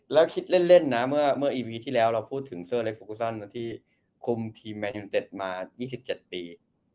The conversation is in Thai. แล้วคิดเล่นนะเมื่ออีวีที่แล้วเราพูดถึงเซอร์เล็กฟูกูซันที่คุมทีมแมนยูเต็ดมา๒๗ปี